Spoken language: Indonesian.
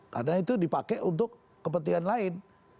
karena itu dipakai untuk kepentingan lain